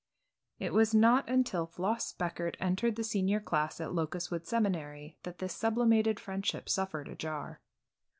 It was not until Floss Speckert entered the senior class at Locustwood Seminary that this sublimated friendship suffered a jar.